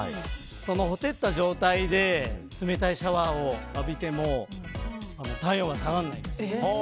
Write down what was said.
その、ほてった状態で冷たいシャワーを浴びても体温は下がらないんです。